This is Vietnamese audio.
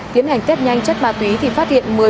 tiến hành test nhanh chất ma túy thì phát hiện